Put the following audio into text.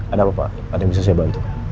ada apa pak ada yang bisa saya bantukan